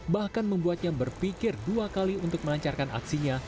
bahkan membuatnya berpikir dua kali untuk melancarkan aksinya